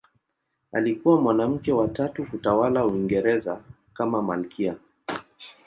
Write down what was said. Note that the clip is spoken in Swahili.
Alikuwa mwanamke wa tatu kutawala Uingereza kama malkia.